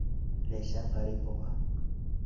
Ләйсән ҒАРИПОВА: